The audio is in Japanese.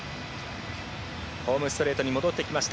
ホームストレートに戻ってきました。